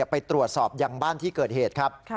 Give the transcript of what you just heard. ไปตรวจสอบยังบ้านที่เกิดเหตุครับ